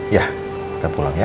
ya kita pulang ya